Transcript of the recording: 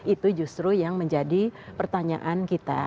itu justru yang menjadi pertanyaan kita